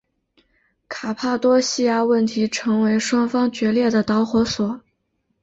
卡帕多细亚问题成为双方决裂的导火索。